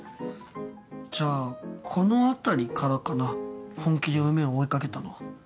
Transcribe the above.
じゃあこの辺りからかな本気で夢を追いかけたのは。